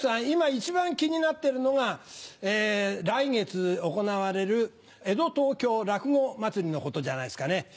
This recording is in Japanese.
今一番気になってるのが来月行われる「江戸東京落語まつり」のことじゃないですかね。